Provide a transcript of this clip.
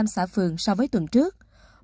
ba ba trăm sáu mươi năm xã phường so với tuần trước